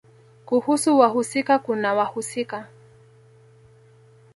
Kuhusu wahusika kuna wahusika